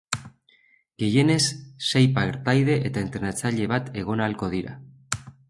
Gehienez sei partaide eta entrenatzaile bat egon ahalko dira.